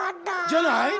じゃない？